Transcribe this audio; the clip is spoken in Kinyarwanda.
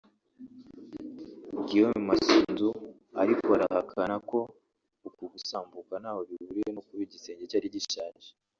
Guillaume Masunzu ariko arahakana ko uku gusambuka ntaho bihuriye no kuba igisenge cyari gishaje